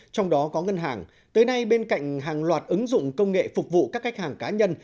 trong đó có ngân hàng tới nay bên cạnh hàng loạt ứng dụng công nghệ phục vụ các khách hàng cá nhân